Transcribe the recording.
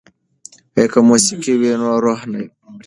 که موسیقي وي نو روح نه مري.